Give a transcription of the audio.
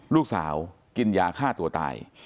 ลูกสาวกินยาฆ่าตัวตาย